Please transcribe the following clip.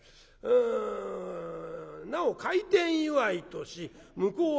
うん『なお開店祝いとし向こう